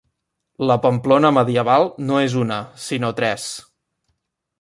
La Pamplona medieval no és una, sinó tres.